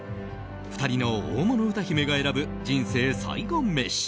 ２人の大物歌姫が選ぶ人生最後メシ。